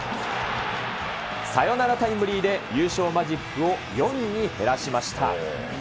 サヨナラタイムリーで、優勝マジックを４に減らしました。